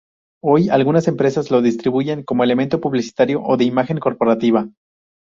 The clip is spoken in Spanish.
Hoy, algunas empresas los distribuyen como elemento publicitario o de imagen corporativa.